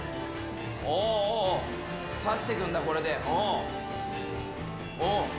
おーおー、刺してくんだ、これで。